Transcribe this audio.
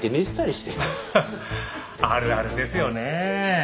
ハハッあるあるですよね。